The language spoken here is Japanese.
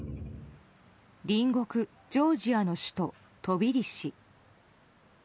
隣国ジョージアの首都トビリシ。